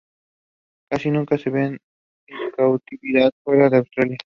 Casi nuca se ven en cautividad fuera de Australia.